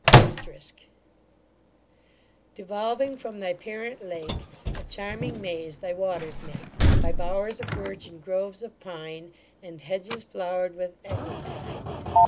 * Devolving from thy parent lake, A charming maze thy waters make, By bow'rs of birch, and groves of pine, And hedges flow'r'd with eglantine.